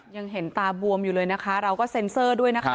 ยังเห็นตาบวมอยู่เลยนะคะเราก็เซ็นเซอร์ด้วยนะคะ